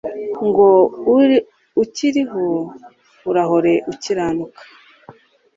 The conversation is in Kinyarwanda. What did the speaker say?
Ngo ukiriho urahore ukiranuka